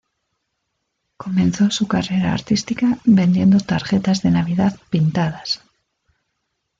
Comenzó su carrera artística vendiendo tarjetas de Navidad pintadas.